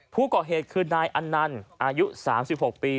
ผู้ก่อเหตุคือนายอันนันต์อายุ๓๖ปี